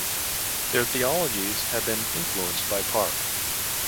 Their theologies have been influenced by Park.